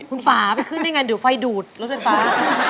คุณป่าไปขึ้นได้ไงเดี๋ยวไฟดูดรถไฟฟ้า